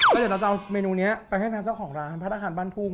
เราจะเอาเมนูนี้ไปให้ทางเจ้าของร้านพัตราคานบ้านทุ่ง